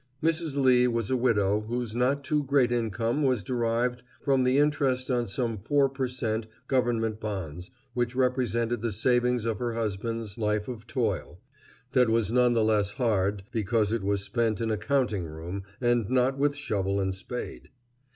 Mrs. Lee was a widow whose not too great income was derived from the interest on some four per cent. government bonds which represented the savings of her husband's life of toil, that was none the less hard because it was spent in a counting room and not with shovel and spade.